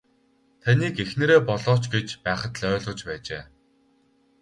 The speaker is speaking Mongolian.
Таныг эхнэрээ болооч гэж байхад л ойлгох байжээ.